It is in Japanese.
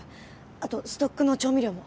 あとストックの調味料も。